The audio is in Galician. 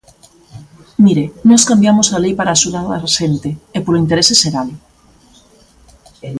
Mire, nós cambiamos a lei para axudar a xente, e polo interese xeral.